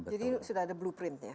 jadi sudah ada blueprintnya